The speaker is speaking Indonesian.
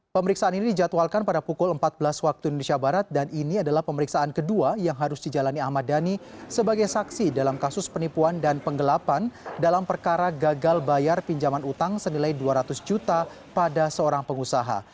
pemeriksaan ini dijadwalkan pada pukul empat belas waktu indonesia barat dan ini adalah pemeriksaan kedua yang harus dijalani ahmad dhani sebagai saksi dalam kasus penipuan dan penggelapan dalam perkara gagal bayar pinjaman utang senilai dua ratus juta pada seorang pengusaha